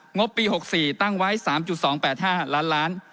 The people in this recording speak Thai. งบปี๖๔ตั้งไว้๓๒๘๕ล้านล้าน